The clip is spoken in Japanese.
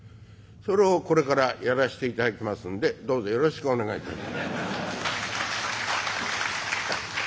それをこれからやらしていただきますんでどうぞよろしくお願いいたします。